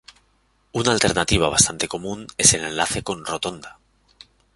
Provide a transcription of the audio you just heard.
Una alternativa bastante común es el enlace con rotonda.